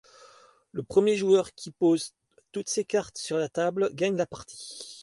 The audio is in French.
Le premier joueur qui pose toutes ses cartes sur la table gagne la partie.